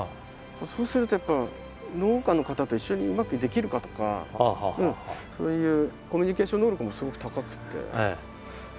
そうするとやっぱ農家の方と一緒にうまくできるかとかそういうコミュニケーション能力もすごく高くて。